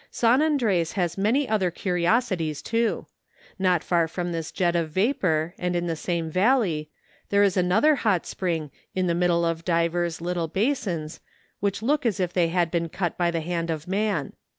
San Andres has many other curiosities too. Not far from this jet of vapour, and in the same valley, there is another hot spring, in the middle of divers little basins, which look as if they had been cut by the hand of man.